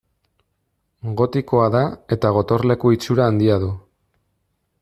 Gotikoa da eta gotorleku itxura handia du.